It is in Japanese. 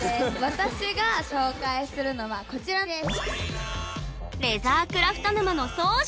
私が紹介するのはこちらです。